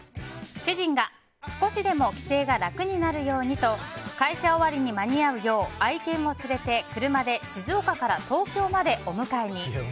主人が少しでも帰省が楽になるようにと会社終わりに間に合うよう愛犬を連れて車で静岡から東京までお迎えに。